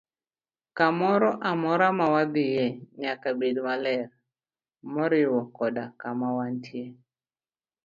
Kamoro amora mwadhiye nyaka bed maler, moriwo koda kama wantie.